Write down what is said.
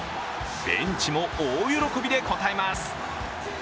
ベンチも大喜びで応えます。